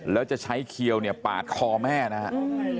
แล้วจะใช้เขียวเนี่ยปาดคอแม่นะครับ